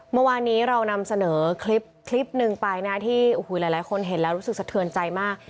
เมื่อวานนี้เรานำเสนอคลิปหนึ่งไปนะที่หลายคนเห็นแล้วรู้สึกสะเทือนใจมาก